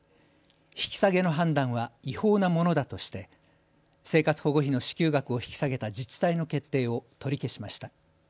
引き下げの判断は違法なものだとして生活保護費の支給額を引き下げた自治体の決定を取り消しました。